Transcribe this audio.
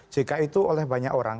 jk itu oleh banyak orang